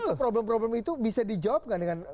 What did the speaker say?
atau problem problem itu bisa dijawab nggak dengan